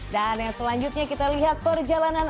dan yang selanjutnya kita lihat perjalanan